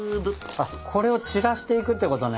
これを散らしていくってことね？